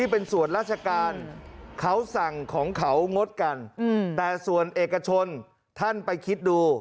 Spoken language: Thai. เป็นส่วนราชการเขาสั่งของเขางดกันแต่ส่วนเอกชนท่านไปคิดดู